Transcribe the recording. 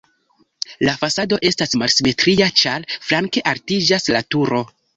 La fasado estas malsimetria, ĉar flanke altiĝas la turo.